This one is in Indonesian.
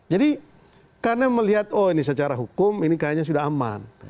jadi karena melihat oh ini secara hukum ini kayaknya sudah aman